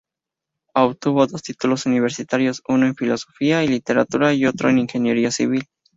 Obtuvo dos títulos universitarios, uno en Filosofía y Literatura y otro en Ingeniería Civil.